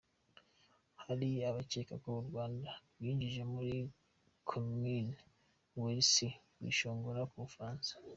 Hari abakeka ko u Rwanda rwinjiye muri komoni welisi rwishongora ku Bufaransa.